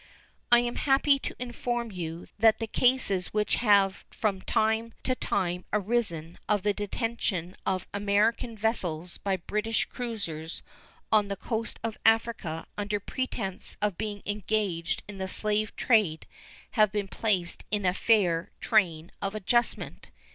I am happy to inform you that the cases which have from time to time arisen of the detention of American vessels by British cruisers on the coast of Africa under pretense of being engaged in the slave trade have been placed in a fair train of adjustment.